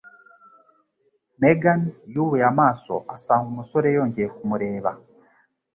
Megan yubuye amaso asanga umusore yongeye kumureba.